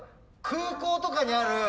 空港とかにある。